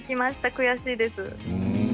悔しいです。